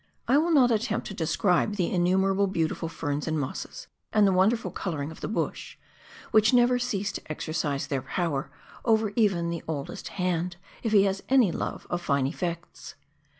I will not attempt to describe the innumer able beautiful ferns and mosses, and the wonderful colouring of the bush, which never cease to exercise their power over even the oldest "hand,'' if he has any love of fiae effects.